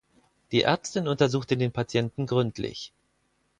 Die Ärztin untersuchte den Patienten gründlich.